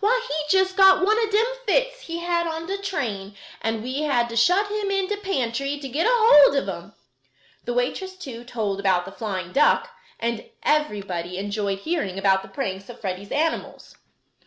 Why, he jest got one of dem fits he had on de train, and we had to shut him in de pantry to get hold ob him." The waitress, too, told about the flying duck, and everybody enjoyed hearing about the pranks of Freddie's animals.